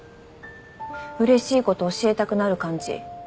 うれしいこと教えたくなる感じ。